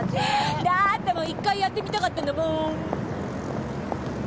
だってもう一回やってみたかったんだもん。